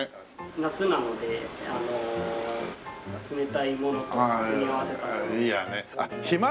夏なのであの冷たいものとか組み合わせたり。